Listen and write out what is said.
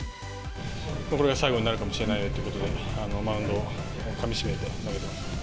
これが最後になるかもしれないということで、マウンドをかみしめて投げてました。